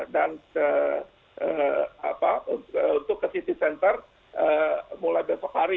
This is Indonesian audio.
dan untuk ke city center mulai besok hari